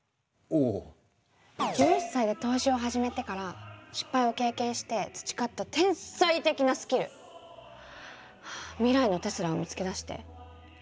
１１歳で投資を始めてから失敗を経験して培った天才的なスキル！はあ未来のテスラを見つけ出して有り金全部つぎ込んでやりますよ！